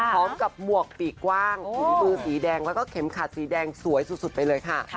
พร้อมกับหมวกปีกว้างหุ้นมือสีแดงแล้วก็เข็มขาดสีแดงสวยสุดไปเลยค่ะ